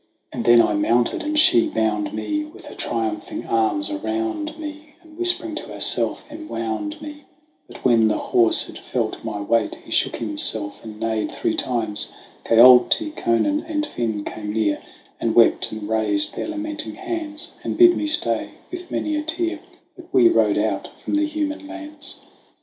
And then I mounted and she bound me With her triumphing arms around me, And whispering to herself en wound me ; But when the horse had felt my weight, He shook himself and neighed three times : Caolte, Conan, and Finn came near, And wept, and raised their lamenting hands, And bid me stay, with many a tear ; But we rode out from the human lands.